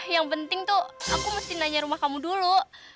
yang penting tuh aku mesti nanya rumah kamu dulu